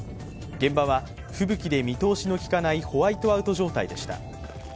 現場は吹雪で見通しの利かないホワイトアウト状態でした。